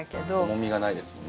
重みがないですもんね。